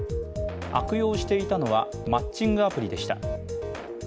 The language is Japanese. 悪用していたのはマッチングアプリでした。